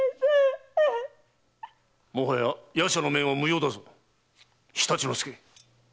もはや夜叉の面は無用だぞ常陸介。